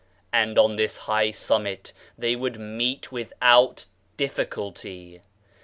And on this high summit they would meet without diffi culty !